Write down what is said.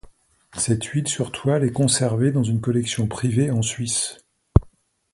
Cette huile sur toile est conservée dans une collection privée en Suisse.